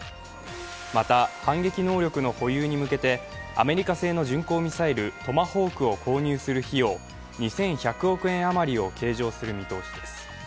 また反撃能力の保有に向けてアメリカ製の巡航ミサイルトマホークを購入する費用２１００億円余りを計上する見通しです。